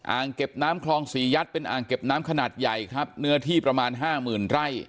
อ่างเก็บน้ำคลองศรียัดเป็นอ่างเก็บน้ำขนาดใหญ่ครับเนื้อที่ประมาณห้าหมื่นไร่